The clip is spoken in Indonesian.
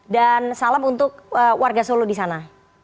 dan salam untuk warga solo di sana